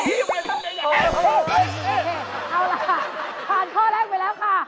เอาล่ะผ่านข้อแรกไปแล้วค่ะ